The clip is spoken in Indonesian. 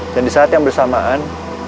dan di saat yang bersamaan